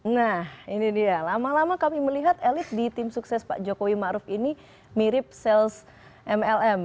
nah ini dia lama lama kami melihat elit di tim sukses pak jokowi ⁇ maruf ⁇ ini mirip sales mlm